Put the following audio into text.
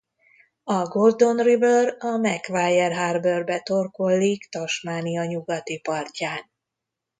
A Gordon River a Macquarie Harbourba torkollik Tasmania nyugati partján.